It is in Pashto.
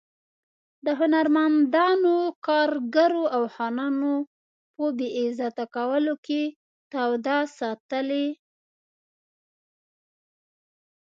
د هنرمندانو، کارګرو او خانانو په بې عزته کولو کې توده ساتلې.